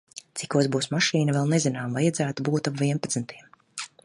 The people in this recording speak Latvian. Cikos būs mašīna vēl nezinām, vajadzētu būt ap vienpadsmitiem.